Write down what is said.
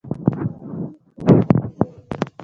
په ټوله مینه مې پښې پکې مینځلې وې.